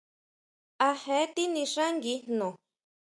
¿A jee tinixángui jno?